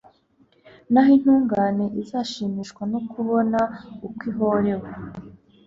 Naho intungane izashimishwa no kubona uko ihorewe